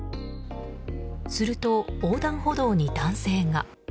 すると横断歩道に男性が。